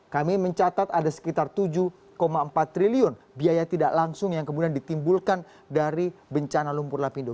kami mencatat ada sekitar tujuh empat triliun biaya tidak langsung yang kemudian ditimbulkan dari bencana lumpur lapindo